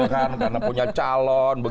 karena punya calon